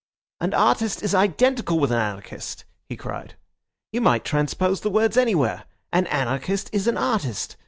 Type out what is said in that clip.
"An artist is identical with an anarchist," he cried. "You might transpose the words anywhere. An anarchist is an artist.